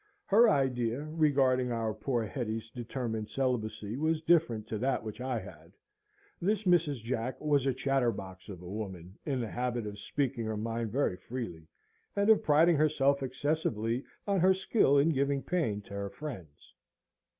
Her idea regarding our poor Hetty's determined celibacy was different to that which I had. This Mrs. Jack was a chatterbox of a woman, in the habit of speaking her mind very freely, and of priding herself excessively on her skill in giving pain to her friends.